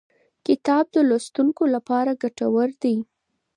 کتاب د لوستونکو لپاره ګټور دی.